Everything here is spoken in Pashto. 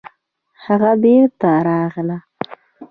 هغه بېرته راغله